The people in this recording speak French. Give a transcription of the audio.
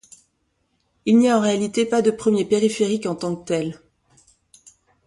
Il n'y a en réalité pas de premier périphérique en tant que tel.